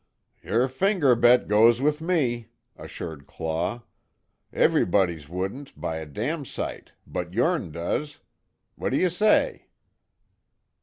"Yer finger bet goes with me," assured Claw, "Everybody's wouldn't, by a damn sight but yourn does. What d'you say?"